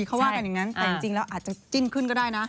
เขาว่ากันอย่างนั้นแต่จริงแล้วอาจจะจิ้นขึ้นก็ได้นะ